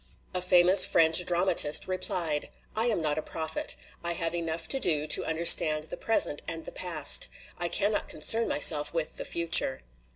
A famous French dramatist replied : "I am not a prophet. I have enough to do to understand the 3 LITERATURE IN THE MAKING present and the past; I cannot concern myself with the future."